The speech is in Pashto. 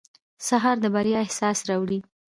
سهار د بریا احساس راوړي.